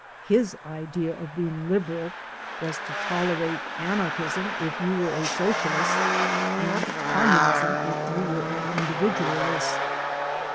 His idea of being liberal was to tolerate anarchism if you were a socialist and communism if you were an individualist.